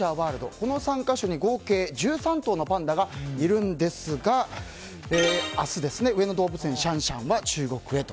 この３か所に合計１３頭のパンダがいるんですが明日、上野動物園のシャンシャンは中国へと。